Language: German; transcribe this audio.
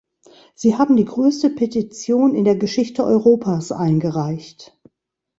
Sie haben die größte Petition in der Geschichte Europas eingereicht.